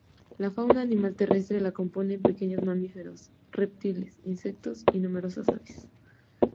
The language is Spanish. La fauna animal terrestre la componen pequeños mamíferos, reptiles, insectos y numerosas aves.